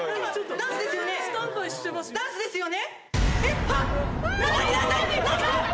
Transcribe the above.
ダンスですよね？